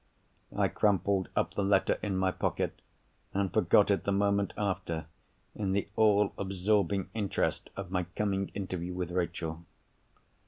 I crumpled up the letter in my pocket, and forgot it the moment after, in the all absorbing interest of my coming interview with Rachel.